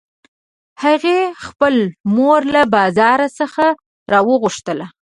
هغې خپله مور له بازار څخه راوغوښتله